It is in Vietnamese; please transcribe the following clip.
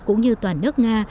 cũng như toàn nước nga